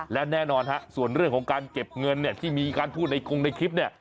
และแน่นอนฮะส่วนเรื่องของการเก็บเงินเนี่ยที่มีการพูดในกงในคลิปเนี่ย